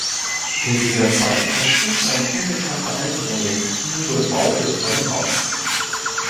In dieser Zeit ersticht ein unbekannter Eindringling Uwe Baude vor dem Haus.